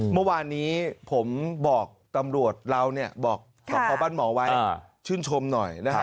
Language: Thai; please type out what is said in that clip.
เมื่อวานนี้ผมบอกตำรวจเราบอกสพบ้านหมอไว้ชื่นชมหน่อยนะครับ